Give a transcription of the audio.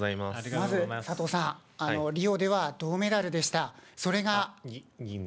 まず、佐藤さん、リオでは銅メダルでした。